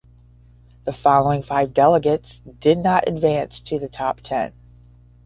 The following five delegates did not advance to the top ten.